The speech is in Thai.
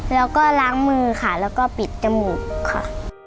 แล้วก็ล้างมือค่ะแล้วก็ปิดจมูกค่ะ